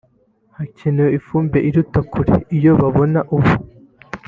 hakenewe ifumbire iruta kure iyo babona ubu